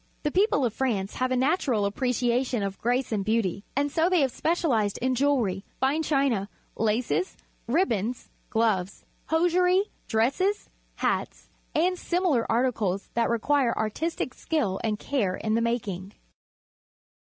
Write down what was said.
The people of "France have a natural appre ciation of grace and beauty, and so they have specialized in jewellery, fine china, l aces, ribbons, gloves, hosiery, dresse s, hata, and similar articles that require artistic skill and care in the making.